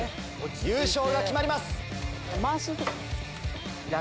優勝が決まります。